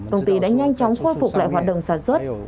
công ty đã nhanh chóng khôi phục lại hoạt động sản xuất